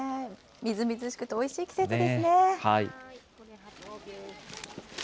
みずみずしくておいしい季節ですね。